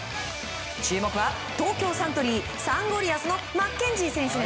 注目は東京サントリーサンゴリアスのマッケンジー選手。